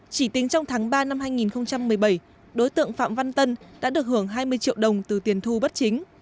chỉ tính trong tháng ba năm hai nghìn một mươi bảy đối tượng phạm văn tân đã được hưởng hai mươi triệu đồng từ tiền thu bất chính